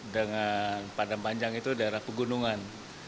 dengan padang panjang itu daerah pegunungan